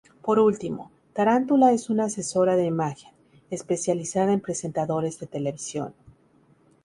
Por último, Tarántula es una asesora de imagen, especializada en presentadores de televisión.